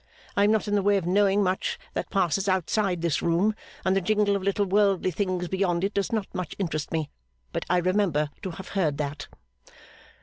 I am not in the way of knowing much that passes outside this room, and the jingle of little worldly things beyond it does not much interest me; but I remember to have heard that.